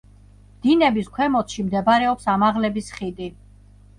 დინების ქვემოთში მდებარეობს ამაღლების ხიდი.